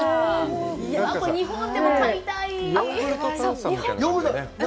日本でも買いたい。